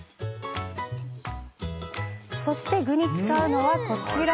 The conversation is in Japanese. そして具に使うのは、こちら。